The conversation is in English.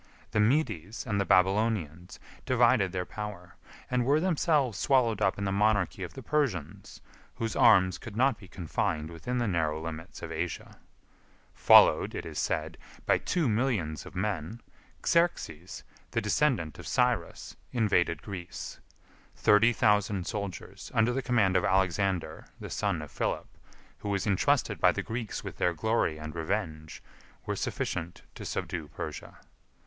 The Medes and the Babylonians divided their power, and were themselves swallowed up in the monarchy of the Persians, whose arms could not be confined within the narrow limits of Asia. Followed, as it is said, by two millions of men, Xerxes, the descendant of Cyrus, invaded Greece. Thirty thousand soldiers, under the command of Alexander, the son of Philip, who was intrusted by the Greeks with their glory and revenge, were sufficient to subdue Persia.